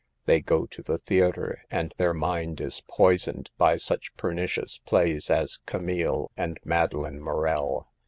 They go to the theater and their mind is poi soned by such pernicious plays as "Camille" and " Madeline Morel."